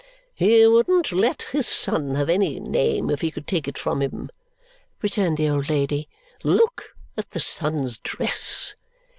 "He wouldn't let his son have any name if he could take it from him," returned the old lady. "Look at the son's dress!"